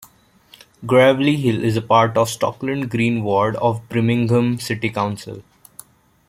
Gravelly Hill is part of the Stockland Green ward of Birmingham City Council.